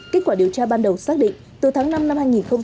kết quả điều tra ban đầu xác định từ tháng năm năm hai nghìn hai mươi ba